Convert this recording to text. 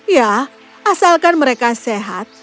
ya asalkan mereka sehat